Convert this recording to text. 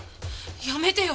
やめてよ。